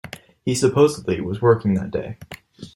He supposedly was working that day.